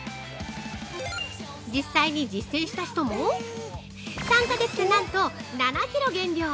実際に実践した人も３か月でなんと７キロ減量。